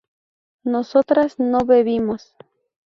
nosotras no bebimos